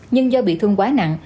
nhưng do bị thương quá nặng